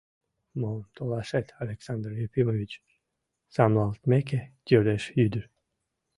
— Мом толашет, Александр Ефимович? — саламлалтмеке, йодеш ӱдыр.